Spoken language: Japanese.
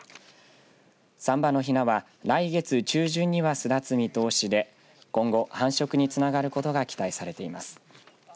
３羽のひなは来月中旬には巣立つ見通しで今後、繁殖につながることが期待されています。